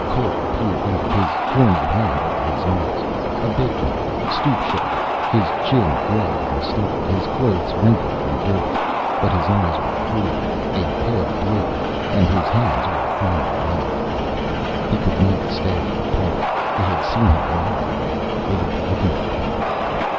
Cole peered up, his horny hand over his eyes. A big man, stoop shouldered, his chin gray and stubbled. His clothes wrinkled and dirty. But his eyes were clear, a pale blue, and his hands were finely made. He could not stay in the park. They had seen him ride that way; they would be looking for him.